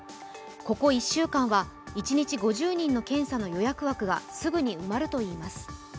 ここ１週間は一日５０人の検査の予約枠がすぐに埋まるといいます。